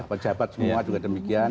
pejabat semua juga demikian